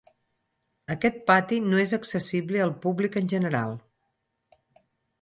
Aquest pati no és accessible al públic en general.